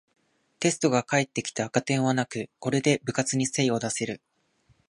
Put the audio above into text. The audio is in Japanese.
テストが返ってきて赤点はなく、これで部活に精を出せる